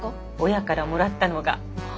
親からもらったのが。